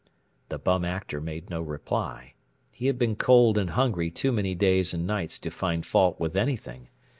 The Bum Actor made no reply. He had been cold and hungry too many days and nights to find fault with anything.